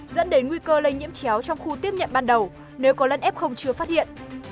dẫn đến nguy cơ lây nhiễm chéo trong khu tiếp nhận ban đầu nếu có lân f chưa phát hiện